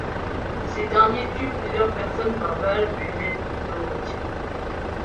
Ces derniers tuent plusieurs personnes par balles puis mettent le feu aux bâtiments.